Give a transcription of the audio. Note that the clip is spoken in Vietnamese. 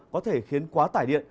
có thể khiến quá tải điện